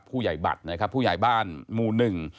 ผู้ใหญ่บัตรนะครับผู้ใหญ่บ้านหมู่หนึ่ง